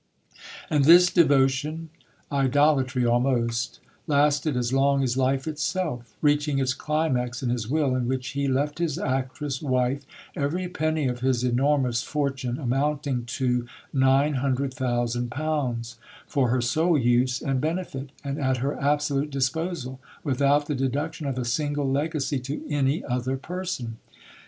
And this devotion idolatry almost lasted as long as life itself, reaching its climax in his will, in which he left his actress wife every penny of his enormous fortune, amounting to £900,000, "for her sole use and benefit, and at her absolute disposal, without the deduction of a single legacy to any other person."